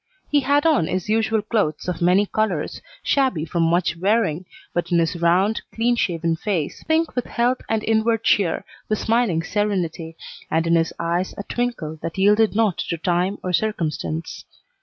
He had on his usual clothes of many colors, shabby from much wearing, but in his round, clean shaven face, pink with health and inward cheer, was smiling serenity, and in his eyes a twinkle that yielded not to time or circumstance.